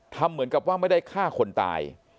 ทำเหมือนกับว่าไม่ได้ฆ่าคนตาย